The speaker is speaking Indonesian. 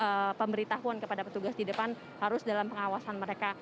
mereka diberi tahuan kepada petugas di depan harus dalam pengawasan mereka